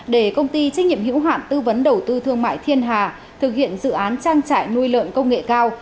để công ty trách nhiệm hữu hạn tư vấn đầu tư thương mại thiên hà thực hiện dự án trang trại nuôi lợn công nghệ cao